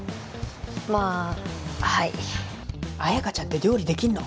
まあはい綾華ちゃんって料理できんの？